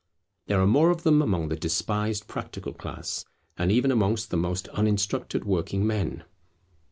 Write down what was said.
There are more of them among the despised practical class, and even amongst the most uninstructed working men.